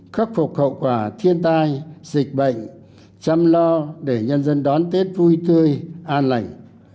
khắc phục hậu quả thiên tai dịch bệnh chăm lo để nhân dân đón tết vui tươi an lành